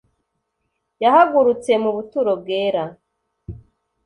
yahagurutse mu buturo bwera